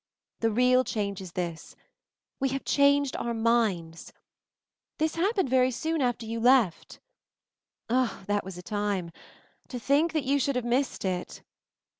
The real change is this : we have changed our minds. This happened yery soon after you left. Ah! that was a time! To think that you should have missed it!"